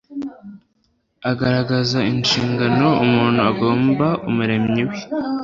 agaragaza inshingano umuntu agomba Umuremyi we,